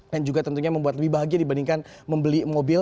dan juga tentunya membuat lebih bahagia dibandingkan membeli mobil